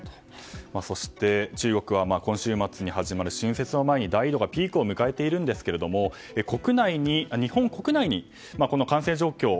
そして、中国は今週末に始まる春節を前に大移動がピークを迎えているんですが日本国内に感染状況